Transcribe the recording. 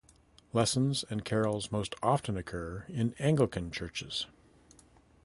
Lessons and Carols most often occur in Anglican churches.